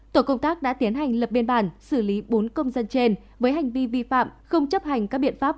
tổ công tác đã tiến hành lập biên bản xử lý bốn công dân trên với hành vi vi phạm không chấp hành các biện pháp